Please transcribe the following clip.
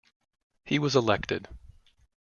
He was elected.